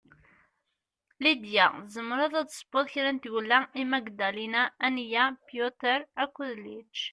Lidia, tezemreḍ ad tessewweḍ kra n tgella i Magdalena, Ania, Piotr akked Lech?